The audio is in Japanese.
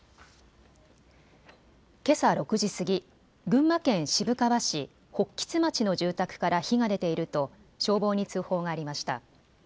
けさ６時過ぎ、群馬県渋川市北橘町の住宅から火が出ていると消防に通報がありました。